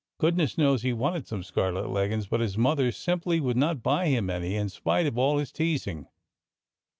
Goodness knows he wanted some scarlet leggins. But his mother simply would not buy him any, in spite of all his teasing.